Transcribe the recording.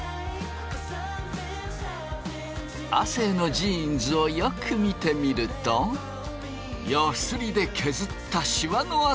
亜生のジーンズをよく見てみるとヤスリで削ったシワのあとが。